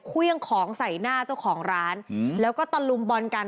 เครื่องของใส่หน้าเจ้าของร้านแล้วก็ตะลุมบอลกัน